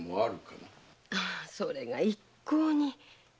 それが一向に。